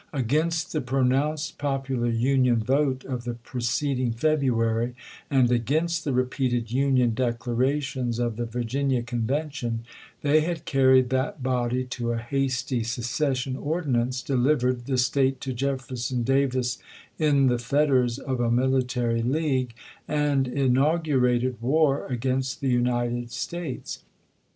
Against the pronounced popular Union vote of the preced ing February, and against the repeated Union declarations of the Virginia Convention, they had carried that body to a hasty secession ordinance, delivered the State to Jefferson Davis in the fetters of a military league, and inaugurated war against the United States.